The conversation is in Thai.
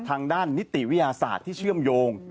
ทางด้านนิติวิทยาศาสตร์ที่เชื่อมโยง